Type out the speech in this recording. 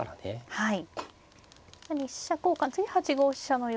はい。